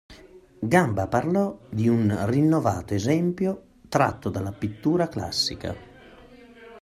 Gamba parlò di un rinnovato esempio tratto dalla pittura classica.